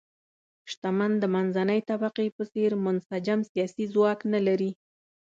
شتمن د منځنۍ طبقې په څېر منسجم سیاسي ځواک نه لري.